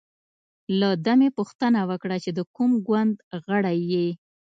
له ده مې پوښتنه وکړه چې د کوم ګوند غړی یې.